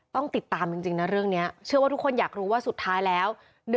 ต้องติดตามจริงนะเรื่องนี้เชื่อว่าทุกคนอยากรู้ว่าสุดท้ายแล้ว